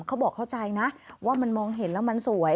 เขาบอกเข้าใจนะว่ามันมองเห็นแล้วมันสวย